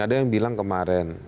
ada yang bilang kemarin